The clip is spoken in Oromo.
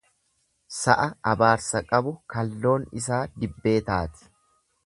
Sa'a abaarsa qabu kalloon isaa dibbee taati.